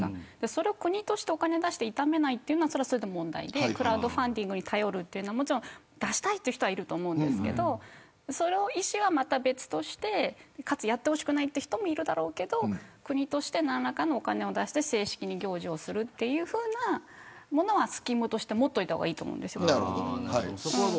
それを国としてお金を出して悼めないのはそれはそれで問題でクラウドファンディングに頼るというのはもちろん出したい人はいると思うんですけどその意志は、また別としてかつ、やってほしくない人もいるだろうけど国として何らかのお金を出して正式に行事をするようなものはスキームとして持っておいた方がいいと思うんです。